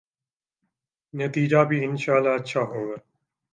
نتیجہ بھی انشاء اﷲ اچھا ہو گا۔